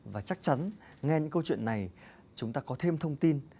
và chắc chắn nghe những câu chuyện này chúng ta có thêm thông tin